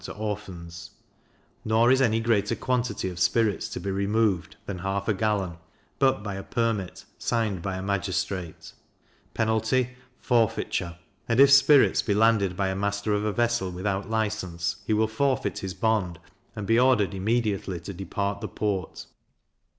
to Orphans. Nor is any greater quantity of spirits to be removed than half a gallon, but by a permit, signed by a magistrate; penalty, forfeiture. And if spirits be landed by a master of a vessel without license, he will forfeit his bond, and be ordered immediately to depart the port.